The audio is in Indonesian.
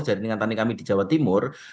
jaringan tani kami di jawa timur